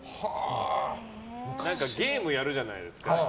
ゲームやるじゃないですか。